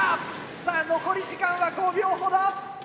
さあ残り時間は５秒ほど。